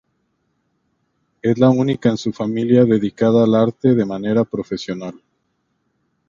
Es la única en su familia dedicada al arte de manera profesional.